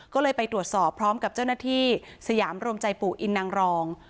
ก็เลยไปตรวจสอบพร้อมกับเจ้าหน้าที่สยามรวมใจปู่อินนางรอง